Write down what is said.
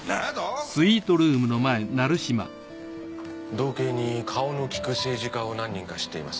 道警に顔のきく政治家を何人か知っています。